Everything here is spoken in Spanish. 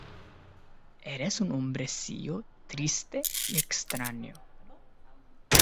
Eres un hombrecillo triste y extraño.